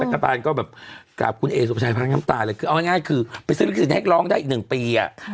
ก็แบบกลับคุณเอสุภาชายภาคง้ำตายเลยคือเอาง่ายคือไปซื้อลูกศิษย์แน็กซ์ร้องได้อีกหนึ่งปีอ่ะ